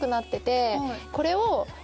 これを。